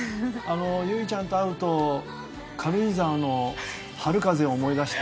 由依ちゃんと会うと軽井沢の春風を思い出して。